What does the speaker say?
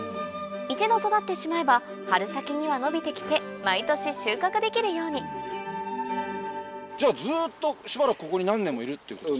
一度育ってしまえば春先には伸びて来て毎年収穫できるようにじゃあずっとしばらくここに。